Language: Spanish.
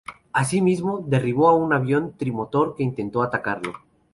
Asimismo derribó a un avión trimotor que intentó atacarlo.